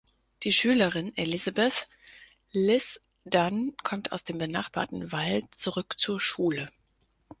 Die Schülerin Elizabeth „Liz“ Dunn kommt aus dem benachbarten Wald zurück zur Schule.